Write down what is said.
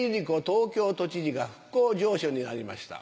東京都知事が復興城主になりました。